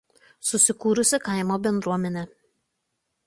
Susikūrusi kaimo bendruomenė.